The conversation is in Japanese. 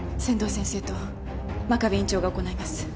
仙道先生と真壁院長が行ないます。